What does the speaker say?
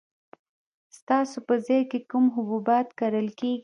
ستاسو په ځای کې کوم حبوبات کرل کیږي؟